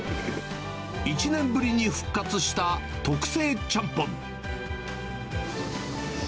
１年ぶりに復活した特製ちゃんぽん。